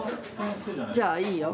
じゃあいいよ。